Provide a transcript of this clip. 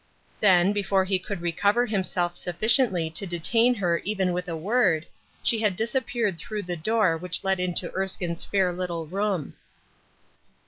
Then, before he could recover himself sufficiently to detain her even with a word, she had disappeared through the door which led into Erskine's fair little room.